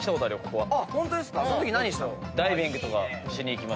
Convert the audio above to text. そのとき何したの？